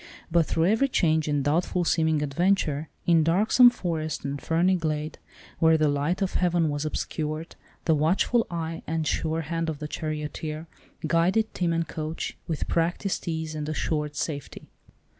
But through every change, and doubtful seeming adventure, in darksome forest, and ferny glade, where the light of heaven was obscured, the watchful eye and sure hand of the charioteer guided team and coach, with practised ease and assured safety.